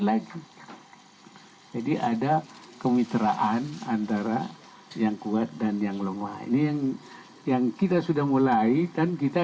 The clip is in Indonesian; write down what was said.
lagi jadi ada kemitraan antara yang kuat dan yang lemah ini yang yang kita sudah mulai dan kita